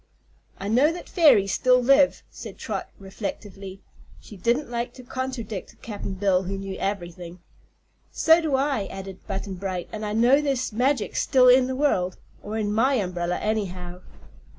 "I know that fairies still live," said Trot, reflectively. She didn't like to contradict Cap'n Bill, who knew "ever'thing." "So do I," added Button Bright. "And I know there's magic still in the world or in my umbrella, anyhow."